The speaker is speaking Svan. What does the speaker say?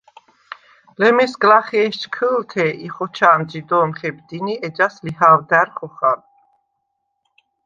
ლემესგ ლახე ეშ ჩქჷ̄ლთე ი ხოჩა̄მდ ჟი დო̄მ ხებდინი, ეჯას ლიჰა̄ვდა̈რ ხოხალ.